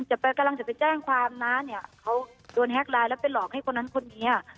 กำลังจะไปแจ้งความนะเนี่ยเขาโดนแฮ็กไลน์แล้วไปหลอกให้คนนั้นคนนี้